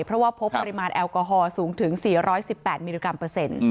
เพราะว่าพบปริมาณแอลกอฮอลสูงถึง๔๑๘มิลลิกรัมเปอร์เซ็นต์